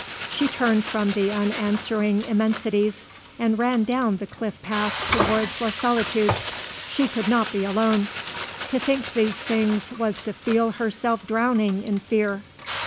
She turned from the unanswering immensities and ran down the cliff path towards Les Solitudes. She could not be alone. To think these things was to feel herself drowning in fear.